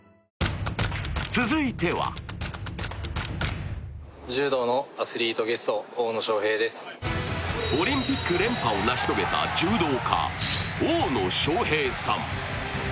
続いてはオリンピック連覇を成し遂げた柔道家、大野将平さん。